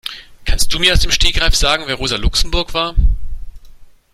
Kannst du mir aus dem Stegreif sagen, wer Rosa Luxemburg war?